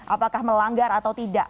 apakah melanggar atau tidak